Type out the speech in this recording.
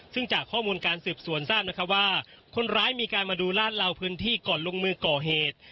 ซึ่งจากข้อมูลการสืบสวนทราบนะคะว่าคนร้ายมีการมาดูลาดเหลาพื้นที่ก่อนลงมือก่อเหตุ